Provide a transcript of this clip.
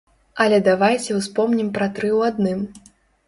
Але давайце ўспомнім пра тры ў адным.